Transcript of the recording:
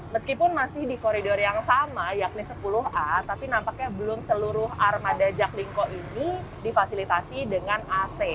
meskipun masih di koridor yang sama yakni sepuluh a tapi nampaknya belum seluruh armada jaklinggo ini difasilitasi dengan ac